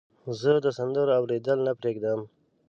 زه د سندرو اوریدل نه پرېږدم.